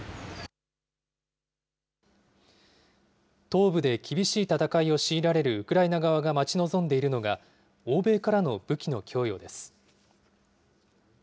東部で厳しい戦いを強いられるウクライナ側が待ち望んでいるのが、欧米からの武器の供与です。